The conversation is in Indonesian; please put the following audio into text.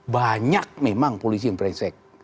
banyak memang polisi yang brengsek